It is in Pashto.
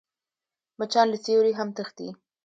مچان له سیوري هم تښتي